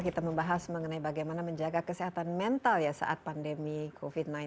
kita membahas mengenai bagaimana menjaga kesehatan mental ya saat pandemi covid sembilan belas